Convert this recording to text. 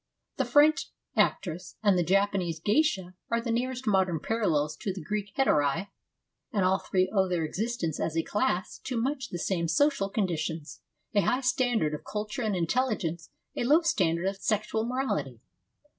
The French actress and the Jap ATHENS IN THE FIFTH CENTURY 63 anese geisha are the nearest modern parallels to the Greek hetaira, and all three owe their existence as a class to much the same social conditions, a high standard of culture and intelligence, a low standard of sexual morality.